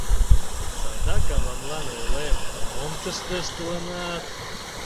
Садак авамлан ойлем, мом тыште ыштылынат...